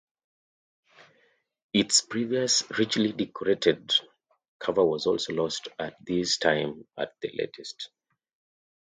Its previous richly decorated cover was also lost at this time at the latest.